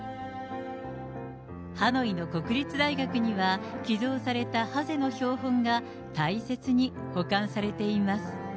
ハノイの国立大学には、寄贈されたハゼの標本が大切に保管されています。